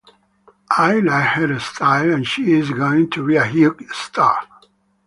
I like her style and she is going to be a huge star.